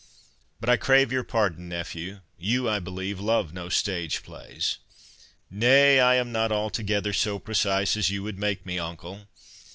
—But I crave your pardon, nephew—You, I believe, love no stage plays." "Nay, I am not altogether so precise as you would make me, uncle.